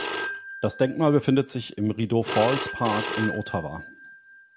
Das Denkmal befindet sich im Rideau-Falls-Park in Ottawa.